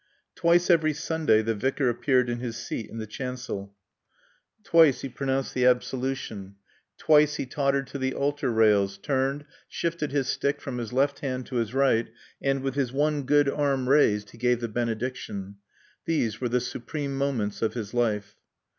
Twice every Sunday the Vicar appeared in his seat in the chancel. Twice he pronounced the Absolution. Twice he tottered to the altar rails, turned, shifted his stick from his left hand to his right, and, with his one good arm raised, he gave the Benediction. These were the supreme moments of his life.